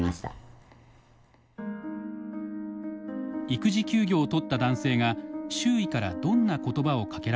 育児休業を取った男性が周囲からどんな言葉をかけられたのか。